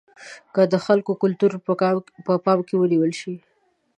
که د خلکو کلتور په پام کې ونیول شي.